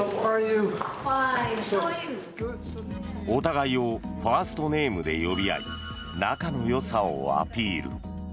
お互いをファーストネームで呼び合い、仲の良さをアピール。